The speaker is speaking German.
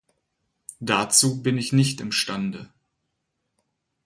Dazu bin ich nicht imstande.